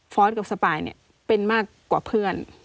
กับสปายเนี่ยเป็นมากกว่าเพื่อน